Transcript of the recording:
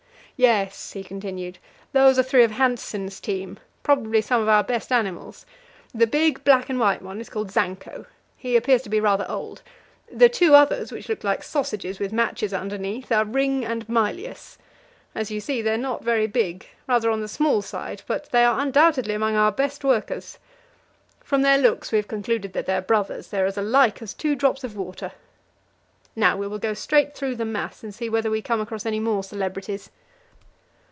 "Yes," he continued, "those are three of Hanssen's team; probably some of our best animals. The big black and white one is called Zanko he appears to be rather old; the two others, which look like sausages with matches underneath, are Ring and Mylius. As you see, they are not very big, rather on the small side, but they are undoubtedly among our best workers. From their looks we have concluded that they are brothers they are as like as two drops of water. Now we will go straight through the mass and see whether we come across any more celebrities.